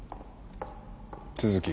都築。